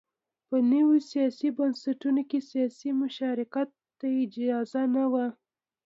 په نویو سیاسي بنسټونو کې سیاسي مشارکت ته اجازه نه وه.